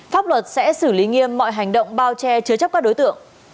pháp luật sẽ xử lý nghiêm mọi hành động bao che chứa chấp các đối tượng